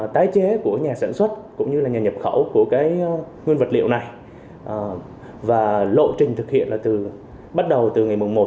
tài chế của nhà sản xuất cũng như là nhà nhập khẩu của nguyên vật liệu này và lộ trình thực hiện bắt đầu từ ngày một tháng một năm hai nghìn hai mươi bốn